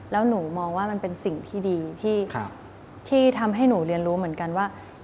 แล้วหนูมองว่ามันเป็นสิ่งที่ดีที่ทำให้หนูเรียนรู้เหมือนกันว่า